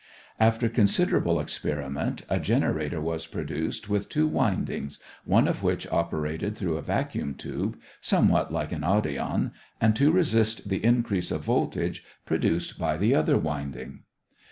After considerable experiment, a generator was produced with two windings, one of which operated through a vacuum tube, somewhat like an audion, and to resist the increase of voltage produced by the other winding.